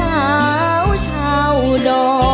แฮคศาสตร์